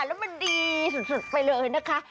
แล้วมันดีสุดไปเลยนะคะ